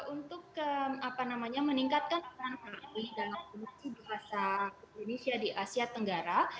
untuk apa namanya meningkatkan peran kami dalam produksi bahasa indonesia di asia tenggara